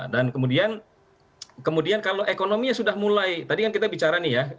dan kemudian kemudian kalau ekonominya sudah mulai tadi kan kita bicara nih ya